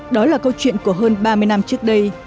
đó là câu chuyện của hơn ba mươi năm trước đây